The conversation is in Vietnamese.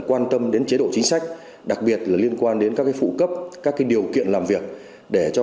quan tâm đến chế độ chính sách đặc biệt là liên quan đến các phụ cấp các điều kiện làm việc để cho